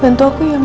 bantu aku ya ma